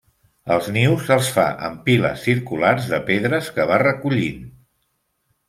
Els nius els fa en piles circulars de pedres que va recollint.